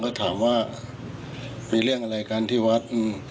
ก็ถามว่ามีเรื่องอะไรกันที่วัด